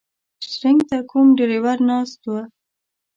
شټرنګ ته کوم ډریور ناست و.